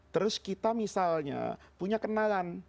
terus kita misalnya punya kenalan